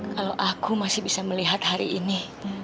kalau aku masih bisa melihat hari ini